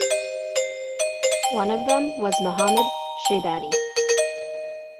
One of them was Muhammad Shaybani.